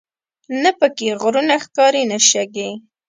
نه په کې غرونه ښکاري نه شګې.